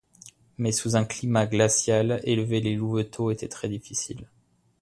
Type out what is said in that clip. Mais sous un climat glacial élever des louveteaux est très difficile.